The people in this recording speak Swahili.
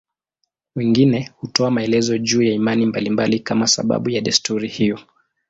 Wengine hutoa maelezo juu ya imani mbalimbali kama sababu ya desturi hiyo.